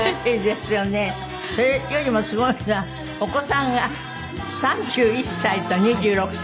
それよりもすごいのはお子さんが３１歳と２６歳？